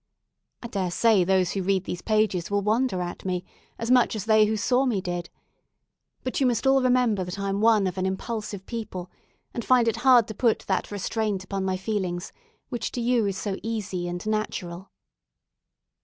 I dare say those who read these pages will wonder at me as much as they who saw me did; but you must all remember that I am one of an impulsive people, and find it hard to put that restraint upon my feelings which to you is so easy and natural.